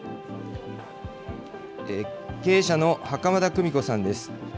経営者の袴田久美子さんです。